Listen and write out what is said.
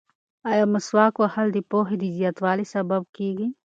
ایا مسواک وهل د پوهې د زیاتوالي سبب کیږي؟